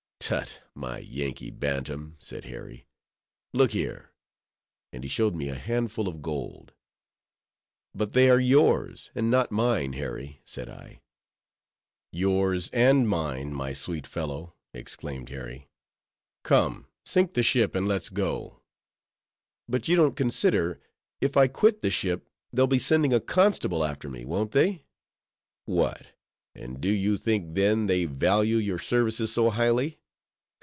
"Tut! my Yankee bantam," said Harry; "look here!" and he showed me a handful of gold. "But they are yours, and not mine, Harry," said I. "Yours and mine, my sweet fellow," exclaimed Harry. "Come, sink the ship, and let's go!" "But you don't consider, if I quit the ship, they'll be sending a constable after me, won't they?" "What! and do you think, then, they value your services so highly?